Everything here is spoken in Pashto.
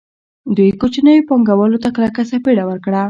دوی کوچنیو پانګوالو ته کلکه څپېړه ورکړه